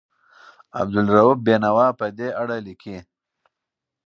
عبدالرؤف بېنوا په دې اړه لیکي.